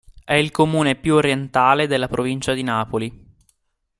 È il comune più orientale della provincia di Napoli.